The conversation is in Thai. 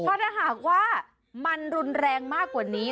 เพราะถ้าหากว่ามันรุนแรงมากกว่านี้